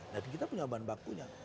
jadi kita punya bahan bakunya